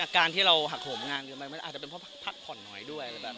การที่เราหักห่วงงานก็หาไปเพราะภักค์ผ่อนหน่อยด้วย